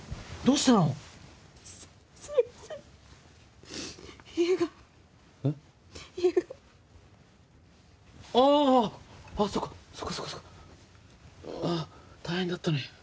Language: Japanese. うん大変だったね。